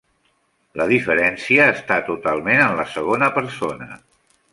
La diferència està totalment en la segona persona.